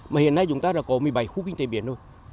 mà hiện nay chúng ta có một mươi bảy khu kinh tế biển thôi